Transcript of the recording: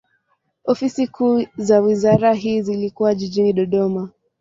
Ofisi kuu za wizara hii zilikuwa jijini Dodoma.